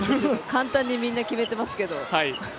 簡単にみんな決めてますけど。